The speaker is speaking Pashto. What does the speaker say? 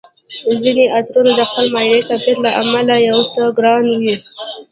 ځیني عطرونه د خپل معیار، کیفیت له امله یو څه ګران وي